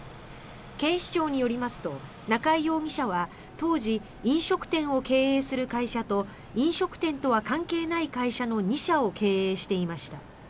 警視庁によりますと中井容疑者は当時飲食店を経営する会社と飲食店とは関係ない会社の２社を経営していました。